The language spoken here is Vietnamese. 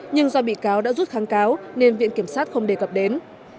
nhưng do bị cáo đã rút kháng cáo nên viện kiểm sát không đề cập đến